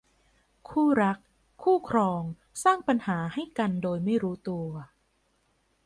คู่รักคู่ครองสร้างปัญหาให้กันโดยไม่รู้ตัว